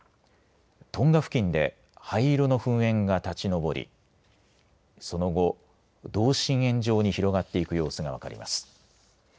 トンガ付近で灰色の噴煙が立ち上りその後、同心円状に広がっていく様子が分かります。